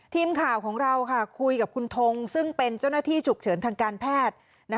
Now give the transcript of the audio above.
ทีมข่าวของเราคุยกับคุณทงซึ่งเป็นเจ้าหน้าที่ฉุกเฉินทางการแพทย์